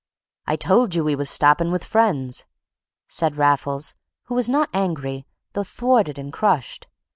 "I told you we was stoppin' with friends," said Raffles, who was not angry, though thwarted and crushed.